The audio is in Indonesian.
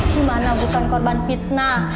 gimana bukan korban fitnah